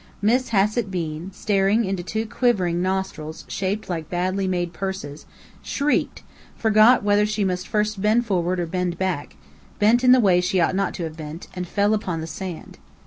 Miss Hassett Bean, staring into two quivering nostrils shaped like badly made purses, shrieked, forgot whether she must first bend forward or bend back, bent in the way she ought not to have bent, and fell upon the sand.